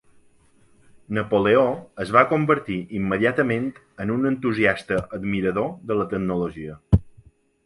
Napoleó es va convertir immediatament en un entusiasta admirador de la tecnologia.